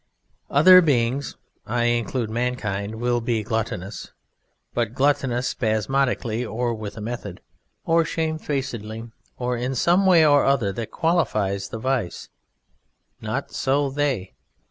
Other beings (I include mankind) will be gluttonous, but gluttonous spasmodically, or with a method, or shamefacedly, or, in some way or another that qualifies the vice; not so They.